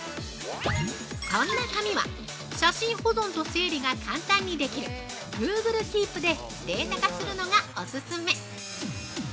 そんな紙は、写真保存と整理が簡単にできるグーグルキープでデータ化するのがお勧め。